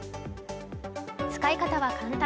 使い方は簡単。